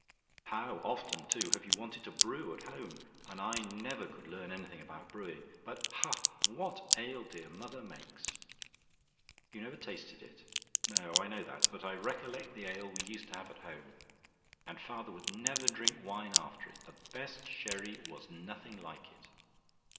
"How often, too, have you wanted to brew at home! And I never could learn anything about brewing. But, ha! what ale dear mother makes! "YOU NEVER TASTED IT? "No, I know that. But I recollect the ale we used to have at home: and father would never drink wine after it. The best sherry was nothing like it.